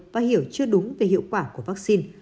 và hiểu chưa đúng về hiệu quả của vaccine